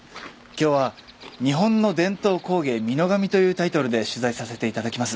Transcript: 今日は「日本の伝統工芸美濃紙」というタイトルで取材させていただきます。